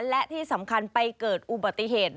และที่สำคัญไปเกิดอุบัติเหตุ